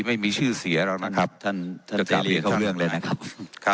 ไม่มีชื่อเสียแล้วนะครับท่านเข้าเรื่องเลยนะครับครับ